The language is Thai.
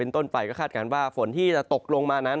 ต้นไปก็คาดการณ์ว่าฝนที่จะตกลงมานั้น